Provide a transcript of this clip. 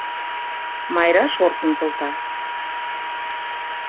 Майра шортын колта.